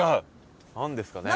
何ですかね？